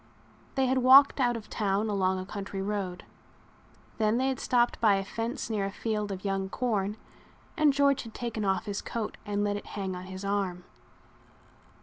They had walked out of town along a country road. Then they had stopped by a fence near a field of young corn and George had taken off his coat and let it hang on his arm.